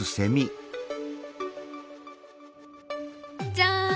じゃん！